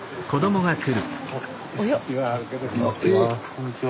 こんにちは。